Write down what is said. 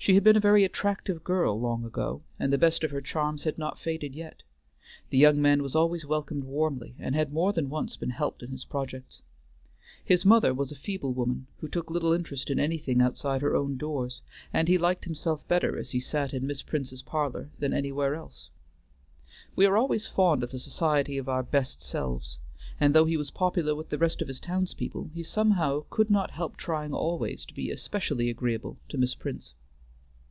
She had been a very attractive girl long ago, and the best of her charms had not faded yet; the young man was always welcomed warmly, and had more than once been helped in his projects. His mother was a feeble woman, who took little interest in anything outside her own doors; and he liked himself better as he sat in Miss Prince's parlor than anywhere else. We are always fond of the society of our best selves, and though he was popular with the rest of his townspeople, he somehow could not help trying always to be especially agreeable to Miss Prince.